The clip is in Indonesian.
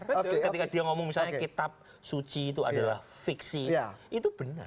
jadi ketika dia ngomong misalnya kitab suci itu adalah fiksi itu benar